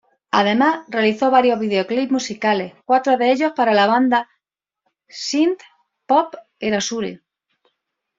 Además realizó varios videoclips musicales, cuatro de ellos para la banda Synth pop Erasure.